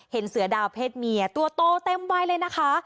เสือดาวเพศเมียตัวโตเต็มวัยเลยนะคะ